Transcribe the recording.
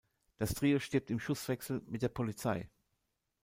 Das Trio stirbt im Schusswechsel mit der Polizei.